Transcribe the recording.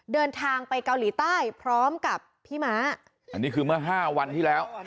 เดินทางไปเกาหลีใต้พร้อมกับพี่ม้าอันนี้คือเมื่อห้าวันที่แล้ว